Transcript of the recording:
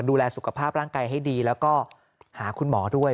ดูแลสุขภาพร่างกายให้ดีแล้วก็หาคุณหมอด้วย